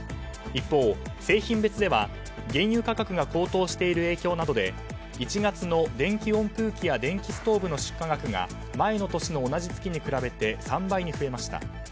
一方、製品別では原油価格が高騰している影響などで１月の電気温風機や電気ストーブの出荷額が前の年の同じ月に比べて３倍に増えました。